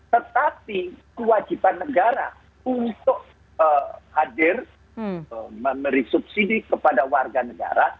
tetapi kewajiban negara untuk hadir memberi subsidi kepada warga negara